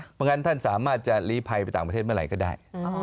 เพราะงั้นท่านสามารถจะลีภัยไปต่างประเทศเมื่อไหร่ก็ได้